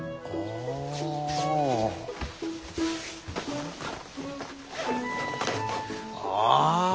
ああ！